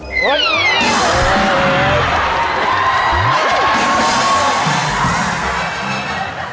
เฮ้ย